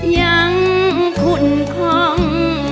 ยังขุนคล่อง